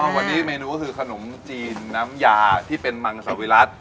วันนี้เมนูก็คือขนมจีนน้ำยาที่เป็นมังสวิรัติ